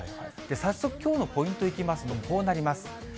早速きょうのポイントいきますと、こうなります。